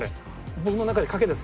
僕の中で賭けです。